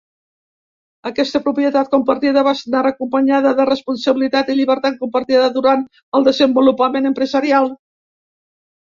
Aquesta propietat compartida va anar acompanyada de responsabilitat i llibertat compartida durant el desenvolupament empresarial.